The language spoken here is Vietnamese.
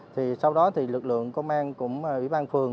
thì sau đó thì lực lượng công an cũng ủy ban phường